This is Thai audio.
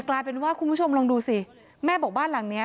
แล้วคุณผู้ชมลองดูสิแม่บอกบ้านหลังนี้